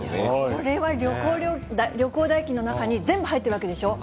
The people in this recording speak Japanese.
これは旅行代金の中に全部入っているわけでしょう。